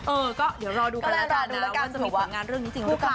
เออก็เดี๋ยวรอดูกันแล้วกันว่าจะมีผลงานเรื่องนี้จริงหรือเปล่า